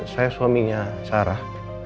saya suaminya sarah